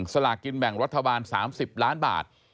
สลากินแบ่งรัฐบาล๓๐ล้านบาท